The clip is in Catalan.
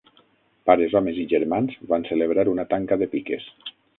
Pares, homes i germans van celebrar una tanca de piques.